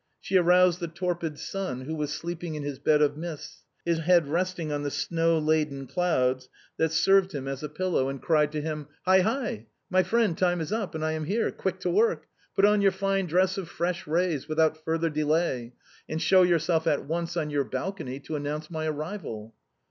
She aroused the torpid sun, who was sleep ing in his bed of mists, his head resting on the snow laden THE TOILETTE OF THE GRACES. 221 clouds that served him as a pillow, and cried to him, "Hi! hi ! my friend ; time is up, and I am here ; quick to work. Put on your fine dress of fresh rays without further delay, and show yourself at once on your balcony to announce my arrival."